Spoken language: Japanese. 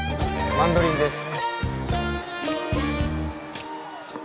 マンドリンです。